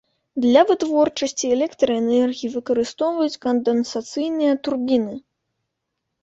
Для вытворчасці электраэнергіі выкарыстоўваюць кандэнсацыйная турбіны.